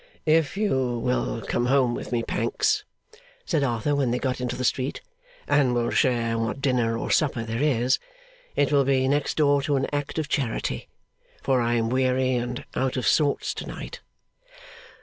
'If you will come home with me, Pancks,' said Arthur, when they got into the street, 'and will share what dinner or supper there is, it will be next door to an act of charity; for I am weary and out of sorts to night.